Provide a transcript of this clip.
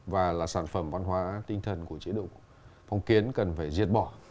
và là sản phẩm văn hóa tinh thần của chế độ phong kiến cần phải diệt bỏ